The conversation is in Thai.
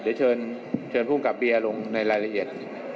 เดี๋ยวเชิญภูมิกับเบียร์ลงในรายละเอียด